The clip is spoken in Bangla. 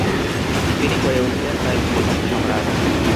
তিনি হয়ে উঠলেন প্রায় মুকুটহীন সম্রাট।